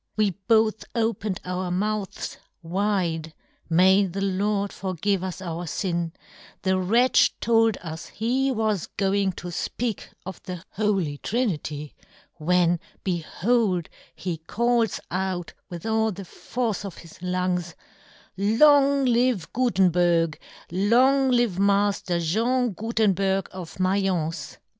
We both " opened our mouths wide — may the " Lord forgive us our fin — the wretch " told us he was going to fpeak of " the Holy Trinity, when, behold, he " calls out, with all the force of his " lungs, ' Long live Gutenberg; long " live Mafter Jean Gutenberg, of " Maience